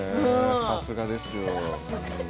さすがですよ。